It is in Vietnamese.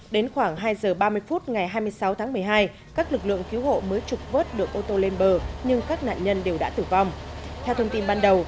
đến khoảng hai h ba mươi phút ngày hai mươi sáu tháng một mươi hai các lực lượng cứu hộ mới trục vớt được ô tô lên bờ